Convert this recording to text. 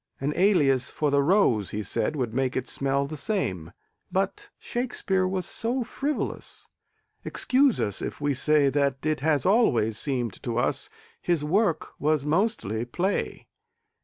An alias for the rose, he said, Would make it smell the same. But Shakspeare was so frivolous Excuse us if we say That it has always seemed to us His work was mostly play.